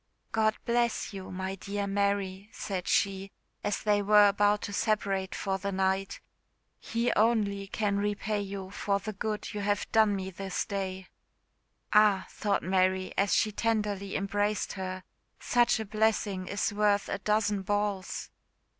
"God bless you, my dear Mary!" said she, as they were about to separate for the night. "He only can repay you for the good you have done me this day!" "Ah!" thought Mary, as she tenderly embraced her, "such a blessing is worth a dozen balls?"